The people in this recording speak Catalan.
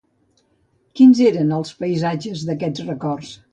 Quins són els paisatges d'aquests records?